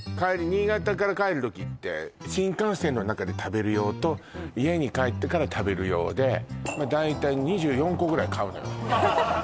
新潟から帰る時って新幹線の中で食べる用と家に帰ってから食べる用でまあ大体２４個ぐらい買うのよ